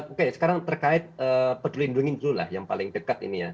oke sekarang terkait penduling duling yang paling dekat ini ya